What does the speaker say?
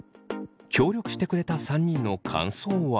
協力してくれた３人の感想は。